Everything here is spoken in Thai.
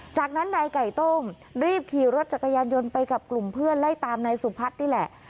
จากนั้นนายไก่ต้มรีบขี่รถจักรยานยนต์ไปกับกลุ่มเพื่อนไล่ตามนายสุพัฒน์นี่แหละ